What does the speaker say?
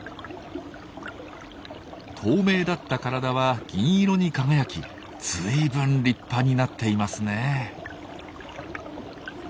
透明だった体は銀色に輝き随分立派になっていますね。